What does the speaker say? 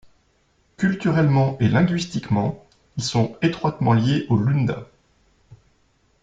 Culturellement et linguistiquement, ils sont étroitement liés aux Lunda.